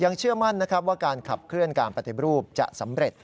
ยังเชื่อมั่นว่าการขับเคลื่อนการปฏิบิรูปจะสำเร็จ